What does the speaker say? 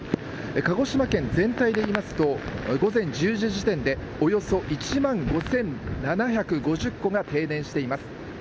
鹿児島県全体でいいますと午前１０時時点でおよそ１万５７５０戸が停電しています。